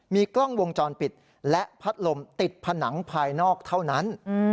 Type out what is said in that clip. มีกล้องวงจรปิดและพัดลมติดผนังภายนอกเท่านั้น